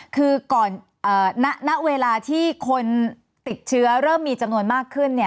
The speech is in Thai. คือก่อนณเวลาที่คนติดเชื้อเริ่มมีจำนวนมากขึ้น